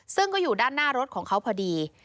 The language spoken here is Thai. ซึ่งก็อยู่ด้านหน้ารถของเขาพอดี